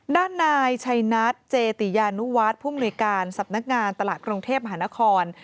ด้านนายชัยนัทเจติยานุวัฒน์ผู้มนุยการสำนักงานตลาดกรุงเทพมหานคร